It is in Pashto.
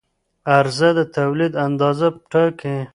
عرضه د تولید اندازه ټاکي.